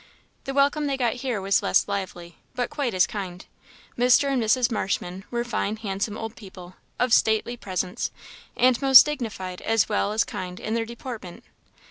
The welcome they got here was less lively, but quite as kind. Mr. and Mrs. Marshman were fine, handsome old people, of stately presence, and most dignified as well as kind in their deportment.